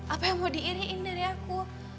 apa yang mau diiriin dari aku